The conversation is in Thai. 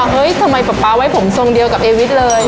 เฮ้ยทำไมป๊าป๊าไว้ผมทรงเดียวกับเอวิทย์เลย